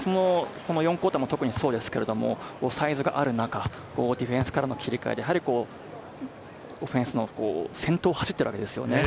４クオーターも特にそうですけど、サイズがある中、ディフェンスからの切り替えでオフェンスの先頭を走っているわけですよね。